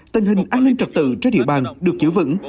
tình hình an ninh trật tự trên địa bàn được giữ vững